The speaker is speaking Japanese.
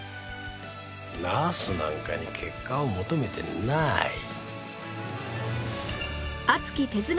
ナースなんかに結果を求めてない。